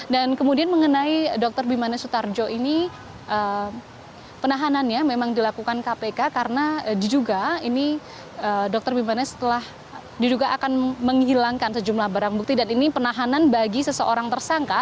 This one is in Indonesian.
dan kemudian mengenai dr bimanes sutarjo ini penahanannya memang dilakukan kpk karena diduga ini dr bimanes setelah diduga akan menghilangkan sejumlah barang bukti dan ini penahanan bagi seseorang tersangka